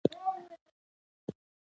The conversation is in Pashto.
ایا ستاسو جنت په نصیب نه دی؟